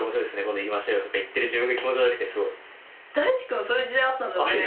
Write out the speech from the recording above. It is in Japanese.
君そういう時代あったんだね。